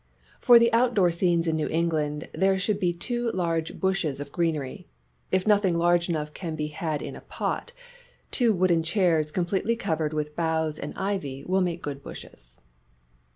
For the outdoor scenes in New England there should be two large bushes of greenery. If nothing large enough can be had in a pot, two wooden chairs completely covered with boughs and ivy will make good bushes.